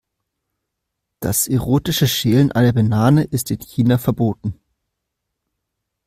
Das erotische Schälen einer Banane ist in China verboten.